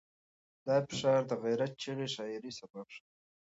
دا فشار د غیرت چغې شاعرۍ سبب شو.